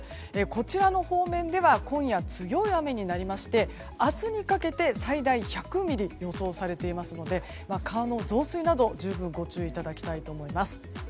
こちらの方面では今夜、強い雨になりまして明日にかけて最大１００ミリと予想されていますので川の増水など、十分ご注意いただきたいと思います。